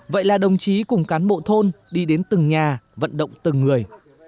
vậy là đồng chí cùng cán bộ thôn đi đến từng nhà vận động từng người